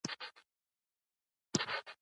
ایا ستاسو لیکنې اغیزناکې نه دي؟